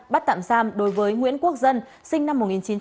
bắt tạm giam đối với nguyễn quốc dân sinh năm một nghìn chín trăm tám mươi